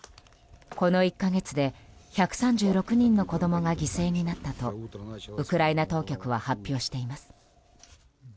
この１か月で１３６人の子供が犠牲になったとウクライナ当局は発表しています。